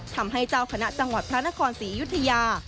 ทำให้เจ้าคณะจังหวัดพระนครศรีอยุธยา